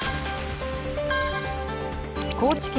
高知県